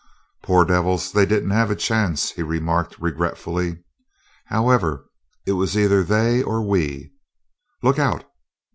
"Poor devils they didn't have a chance," he remarked regretfully. "However, it was either they or we look out!